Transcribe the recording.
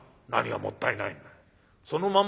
「何がもったいないの？